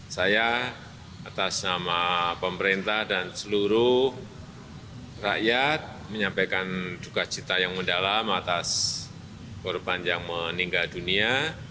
saya atas nama pemerintah dan seluruh rakyat menyampaikan duka cita yang mendalam atas korban yang meninggal dunia